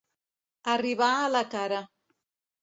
Arribar a la cara.